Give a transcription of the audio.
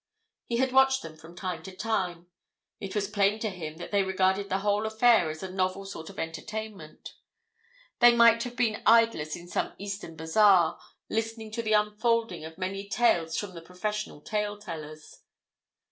He had watched them from time to time; it was plain to him that they regarded the whole affair as a novel sort of entertainment; they might have been idlers in some Eastern bazaar, listening to the unfolding of many tales from the professional tale tellers.